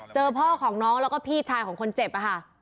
พ่อของน้องแล้วก็พี่ชายของคนเจ็บค่ะ